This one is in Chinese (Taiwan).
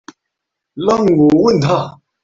讓我問他